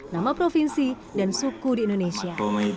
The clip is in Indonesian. nama provinsi dan suku di indonesia